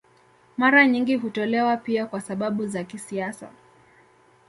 Mara nyingi hutolewa pia kwa sababu za kisiasa.